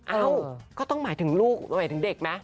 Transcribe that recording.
เอ้าก็ต้องหมายถึงลูกหมายถึงเด็กนะ